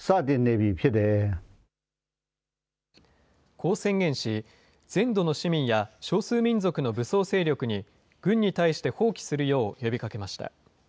こう宣言し、全土の市民や少数民族の武装勢力に、軍に対して蜂起するよう呼びかけました。